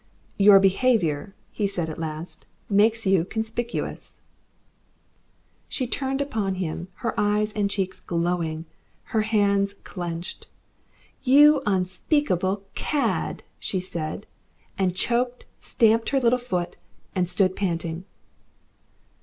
"Your behaviour," he said at last, "makes you conspicuous." She turned upon him, her eyes and cheeks glowing, her hands clenched. "You unspeakable CAD," she said, and choked, stamped her little foot, and stood panting.